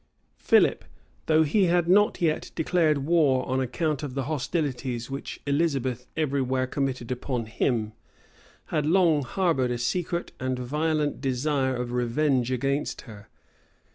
Philip, though he had not yet declared war on account of the hostilities which Elizabeth every where committed upon him, had long harbored a secret and violent desire of revenge against her.